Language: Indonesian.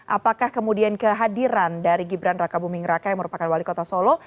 apakah kemudian kehadiran dari gibran raka buming raka yang merupakan wali kota solo